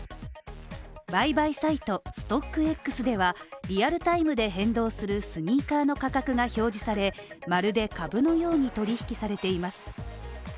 売買サイトＳｔｏｃｋＸではリアルタイムで変動するスニーカーの価格が表示されまるで株のように取引されています。